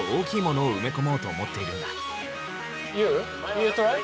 ユートライ？